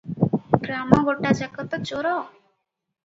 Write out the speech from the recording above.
ଗ୍ରାମ ଗୋଟାଯାକ ତ ଚୋର